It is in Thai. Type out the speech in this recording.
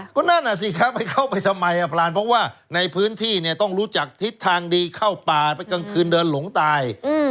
ก็นั่นอ่ะสิครับไปเข้าไปทำไมอ่ะพรานเพราะว่าในพื้นที่เนี่ยต้องรู้จักทิศทางดีเข้าป่าไปกลางคืนเดินหลงตาย